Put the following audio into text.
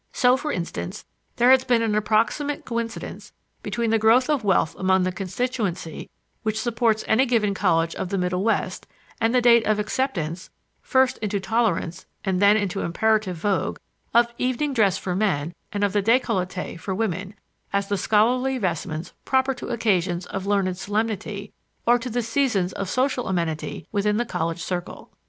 So, for instance, there has been an approximate coincidence between the growth of wealth among the constituency which supports any given college of the Middle West and the date of acceptance first into tolerance and then into imperative vogue of evening dress for men and of the décolleté for women, as the scholarly vestments proper to occasions of learned solemnity or to the seasons of social amenity within the college circle.